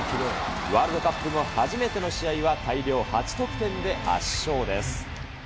ワールドカップ後初めての試合は、大量８得点で圧勝です。